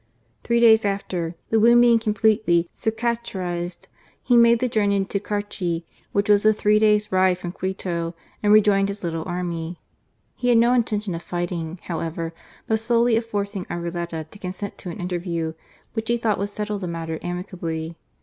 Three days after, the wound being completely cicatrised, he made the journey to Carchi, which was a three days' ride from Quito, and rejoined his little army. He had no intention of fighting, however, but solely of forcing Arboleda to consent to an interview which he thought would settle the matter amicably.